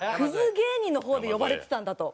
芸人の方で呼ばれてたんだと。